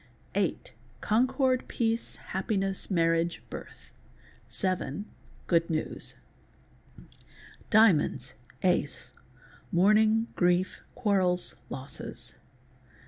Hight—concord, peace, happiness, marriage, birth. Seven —good news. _ Diamonps.—Ace—mourning, grief, quarrels, losses.